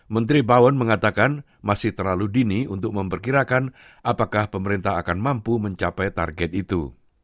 menteri bawon mengatakan masih terlalu dini untuk memperkirakan apakah pemerintah akan mampu mencapai target itu